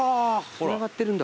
つながってるんだ。